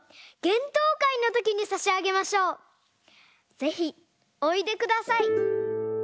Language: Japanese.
ぜひおいでください。